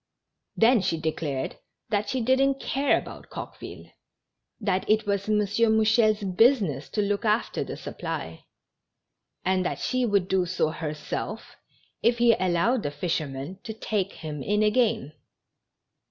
Then she declared that she didn't care about Coqueville ; that it was M. Mouchel's business to look after the supply, and that she would do so herself, if he allowed the fishermen to take him in again.